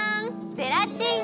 ゼラチン。